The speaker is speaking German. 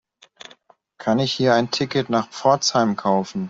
Kann ich hier ein Ticket nach Pforzheim kaufen?